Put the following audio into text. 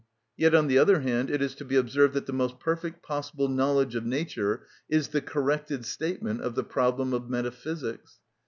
Yet, on the other hand, it is to be observed that the most perfect possible knowledge of nature is the corrected statement of the problem of metaphysics.